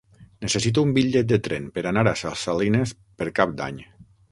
Necessito un bitllet de tren per anar a Ses Salines per Cap d'Any.